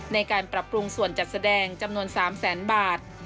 ในการปรับปรุงส่วนจัดแสดงจำนวน๓แสนบาท